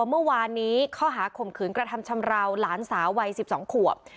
เมื่อวานนี้ข้อหาข่มขืนกระทำชำราวหลานสาววัย๑๒ขวบ